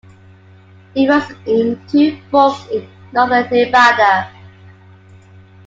It rises in two forks in northern Nevada.